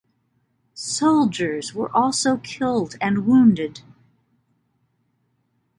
Soldiers were also killed and wounded.